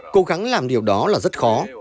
cố gắng làm điều đó là rất khó